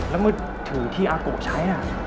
แล้วมึงถือที่อาโกใช้อ่ะ